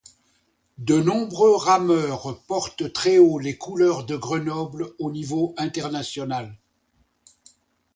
De nombreux rameurs portent très haut les couleurs de Grenoble au niveau international.